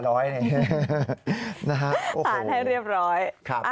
ภาษาให้เรียบร้อย